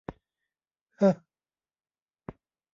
เฮอะ